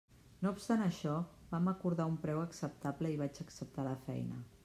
No obstant això, vam acordar un preu acceptable i vaig acceptar la feina.